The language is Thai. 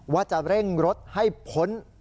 ว่าจะเร่งรถให้พ้น